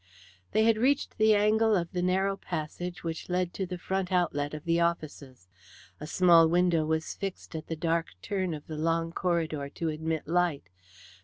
They had reached the angle of the narrow passage which led to the front outlet of the offices. A small window was fixed at the dark turn of the long dark corridor to admit light.